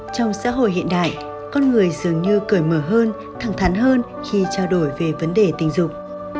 trong xã hội hiện đại con người dường như cởi mở hơn thẳng thắn hơn khi trao đổi về vấn đề tình dục